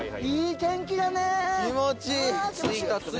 いい天気だね！